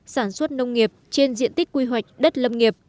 sản xuất nông nghiệp trên diện tích quy hoạch đất lâm nghiệp